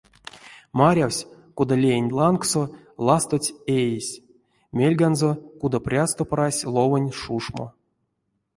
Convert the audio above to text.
Марявсь, кода леенть лангсо ластотсь эесь, мельганзо кудо прясто прась ловонь шушмо.